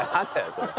それ。